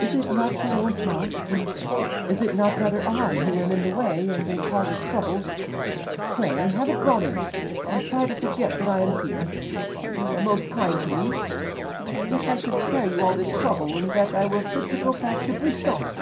"Is it not your own house, and is it not rather I who am in the way and a cause of trouble? Pray have it brought in, and try to forget that I am here. You are most kind to me, but I wish I could spare you all this trouble and that I were fit to go back to Buisson.